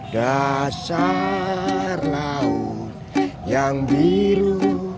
dasar laut yang biru